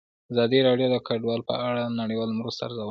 ازادي راډیو د کډوال په اړه د نړیوالو مرستو ارزونه کړې.